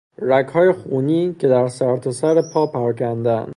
رگهای خونی که در سرتاسر پا پراکندهاند